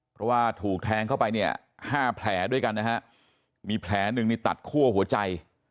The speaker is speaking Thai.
เพราะว่าถูกแทงเข้าไปเนี่ยห้าแผลด้วยกันนะฮะมีแผลหนึ่งนี่ตัดคั่วหัวใจ